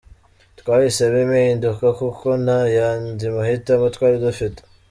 Twahisemo impinduka kuko nta yandi mahitamo twari dufite.